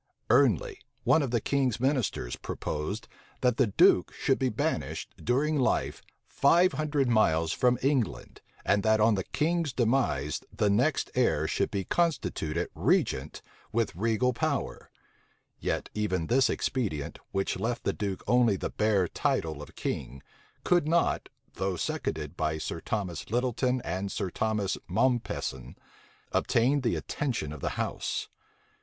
Ernley, one of the king's ministers, proposed, that the duke should be banished, during life, five hundred miles from England and that on the king's demise the next heir should be constituted regent with regal power: yet even this expedient, which left the duke only the bare title of king, could not, though seconded by Sir Thomas Lyttleton and Sir Thomas Mompesson, obtain the attention of the house.